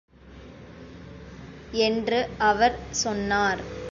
என்று அவர் சொன்னார்.